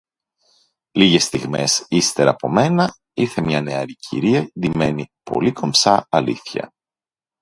Λίγες στιγμές ύστερ’ από μένα ήρθε μια νεαρή κυρία ντυμένη πολύ κομψά αλήθεια,